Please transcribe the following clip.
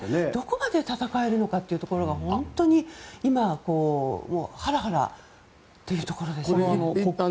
どこまで戦えるのかっていうのが本当に今、ハラハラというところですね。